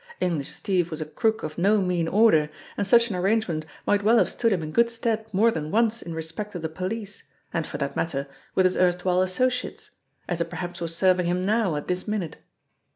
English Steve was a crook of no mean order, and such an arrange ment might well have stood him in good stead more than once in respect of the police, and, for that matter, with his erstwhile associates as it perhaps was serving him now at this minute.